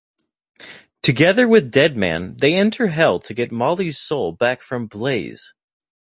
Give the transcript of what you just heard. Together with Deadman, they enter Hell to get Molly's soul back from Blaze.